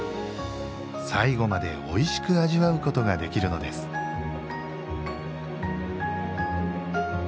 最後までおいしく味わうことができるのですいや